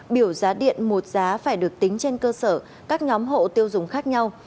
biểu giá điện một giá phải được tính trên cơ sở các nhóm hộ tiêu dùng khác nhau